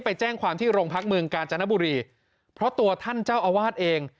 ไปแจ้งความที่โรงพักเมืองกาญจนบุรีเพราะตัวท่านเจ้าอาวาสเอง